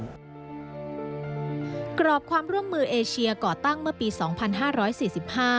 กรอบความร่วมมือเอเชียก่อตั้งเมื่อปี๒๕๔๕